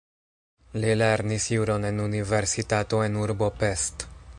Li lernis juron en universitato en urbo Pest.